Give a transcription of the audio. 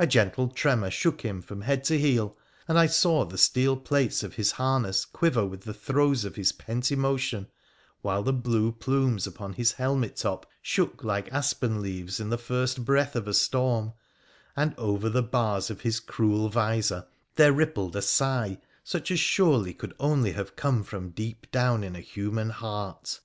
A gentle tremor shook him from head to heel, and I saw the steel plates of his harness quiver with the throes of his pent emotion, while the blue plumes upon his helmet top shook like aspen leaves in the first breath of a storm, and over the bars of his cruel visor there rippled a sigh such as surely could only have come from deep down in a human heart.